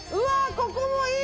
ここもいい！